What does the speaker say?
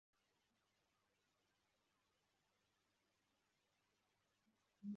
abantu babiri bambaye amakoti mubufatanye bicaye kumasanduku